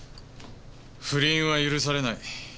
不倫は許されない。